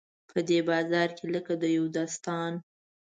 په دې بازار کې لکه د یو داستان.